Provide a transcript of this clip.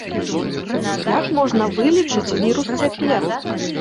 Як можна вылічыць вірус цяпер?